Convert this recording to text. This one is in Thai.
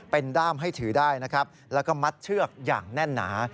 เป็นด้ามให้ถือได้นะครับแล้วก็มัดเชือกอย่างแน่นหนา